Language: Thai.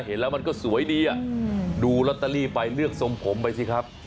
เห็นแล้วมันก็สวยดีดูลอตเตอรี่ไปเลือกทรงผมไปสิครับ